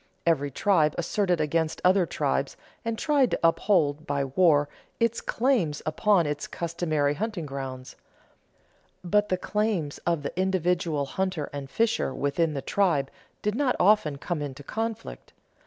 Every tribe asserted against other tribes, and tried to uphold, by war, its claims upon its customary hunting grounds; but the claims of the individual hunter and fisher within the tribe did not often come into conflict.